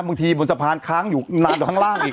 บนสะพานค้างอยู่นานกว่าข้างล่างอีก